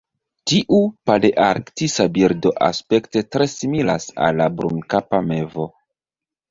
Tiu palearktisa birdo aspekte tre similas al la brunkapa mevo.